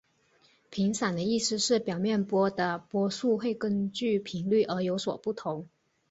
频散的意思是表面波的波速会根据频率而有所不同。